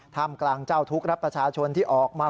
มกลางเจ้าทุกข์รับประชาชนที่ออกมา